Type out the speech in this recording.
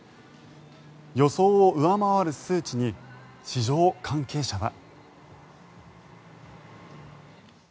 予想を上回る数値に市場関係者は。